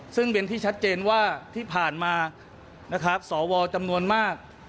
ซึ่งเป็นที่ชัดเจนว่าที่ผ่านมานะครับสวจำนวนมาก